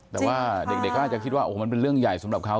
แต่ว่าเด็กก็อาจจะคิดว่าโอ้โหมันเป็นเรื่องใหญ่สำหรับเขา